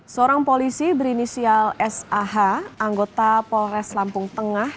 seorang polisi berinisial sah anggota polres lampung tengah